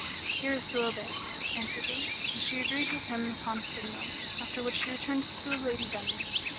"To hear is to obey" answered he; and she agreed with him upon a signal, after which she returned to the Lady Dunya.